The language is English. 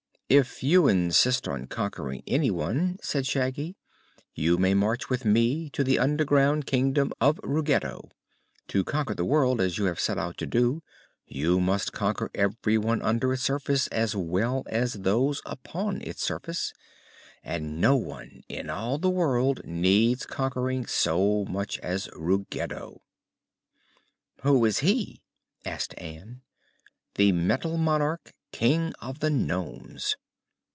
"If you insist on conquering anyone," said Shaggy, "you may march with me to the underground Kingdom of Ruggedo. To conquer the world, as you have set out to do, you must conquer everyone under its surface as well as those upon its surface, and no one in all the world needs conquering so much as Ruggedo." "Who is he?" asked Ann. "The Metal Monarch, King of the Nomes."